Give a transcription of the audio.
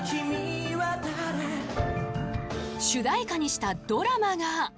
［主題歌にしたドラマが］